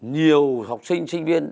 nhiều học sinh sinh viên